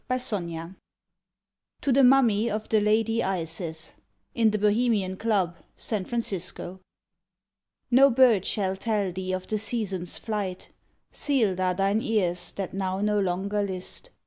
48 TO THE MUMMY OF THE LADY ISIS IN THE BOHEMIAN CLUB, SAN FRANCISCO No bird shall tell thee of the seasons flight: Sealed are thine ears that now no longer list.